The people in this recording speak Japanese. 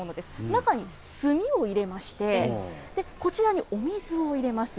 中に炭を入れまして、こちらにお水を入れます。